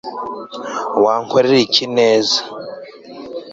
wankorera iki neza